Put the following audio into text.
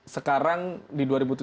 sekarang di dua ribu tujuh belas